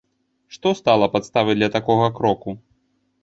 Што стала падставай для такога кроку?